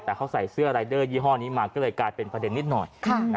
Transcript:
แต่เขาใส่เสื้อรายเดอร์ยี่ห้อนี้มาก็เลยกลายเป็นประเด็นนิดหน่อย